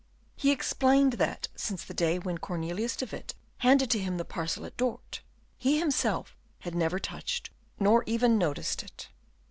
He explained that, since the day when Cornelius de Witt handed to him the parcel at Dort, he himself had never touched, nor even noticed it.